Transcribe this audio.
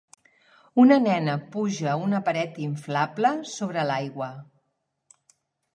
Una nena puja una paret inflable sobre l'aigua.